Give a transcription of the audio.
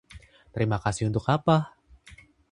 Terima kasih untuk apa?